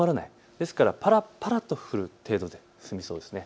ですからぱらぱらと降る程度で済みそうです。